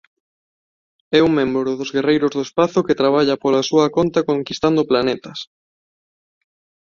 É un membro dos Guerreiros do espazo que traballa pola súa conta conquistando planetas.